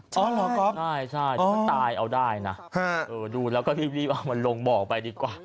ใช่ถ้าตายเอาได้นะดูแล้วก็รีบเอามันลงบอกไปดีกว่า